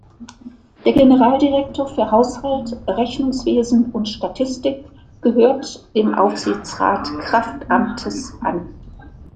Der Generaldirektor für Haushalt, Rechnungswesen und Statistik gehört dem Aufsichtsrat kraft Amtes an.